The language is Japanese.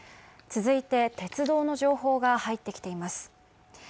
続いて、鉄道の情報が入ってきています。